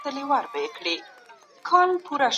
ما دا مطالعه په تنکيوالي کي پيل کړې وه.